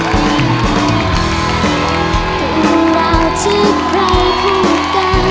เป็นราวที่ใครพูดกัน